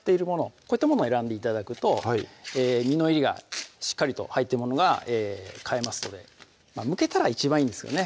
こういったものを選んで頂くと実の入りがしっかりと入ってるものが買えますのでむけたら一番いいんですけどね